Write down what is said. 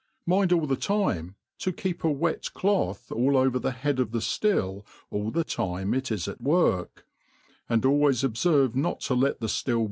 Mind all the time to keep a wet cloth alt over the head of the ftill all the time it is at work, and always obferve not to let the ftill.